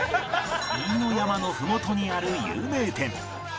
飯野山のふもとにある有名店